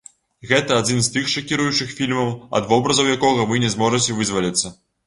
Гэта адзін з тых шакіруючых фільмаў, ад вобразаў якога вы не зможаце вызваліцца.